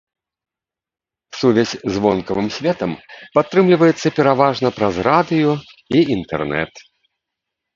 Сувязь з вонкавым светам падтрымліваецца пераважна праз радыё і інтэрнэт.